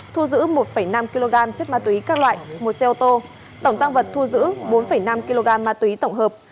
thu giữ một năm kg chất ma túy các loại một xe ô tô tổng tăng vật thu giữ bốn năm kg ma túy tổng hợp